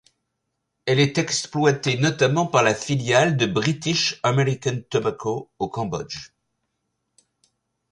Elle est exploitée notamment par la filiale de British American Tobacco au Cambodge.